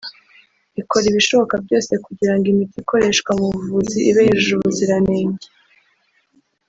ikora ibishoboka byose kugira ngo imiti ikoreshwa mu buvuzi ibe yujuje ubuziranenge